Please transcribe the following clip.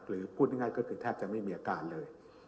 พูดง่ายก็คือแทบจะไม่มีอาการเลย